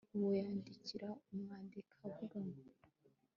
uwo yandikira uwandika avuga